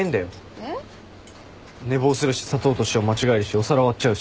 えっ？寝坊するし砂糖と塩間違えるしお皿割っちゃうし。